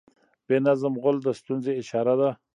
بې نظم غول د ستونزې اشاره ده.